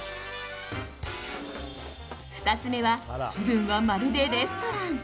２つ目は気分はまるでレストラン。